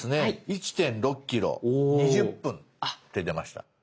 「１．６ｋｍ２０分」って出ました。